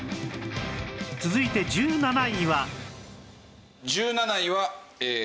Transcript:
続いて１７位は